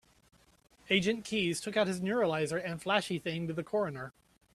Agent Keys took out his neuralizer and flashy-thinged the coroner.